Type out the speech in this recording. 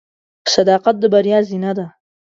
• صداقت د بریا زینه ده.